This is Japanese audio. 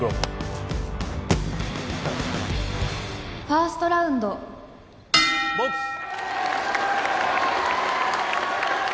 「ファーストラウンド」ボックス。